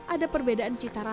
ada perbedaan di dalamnya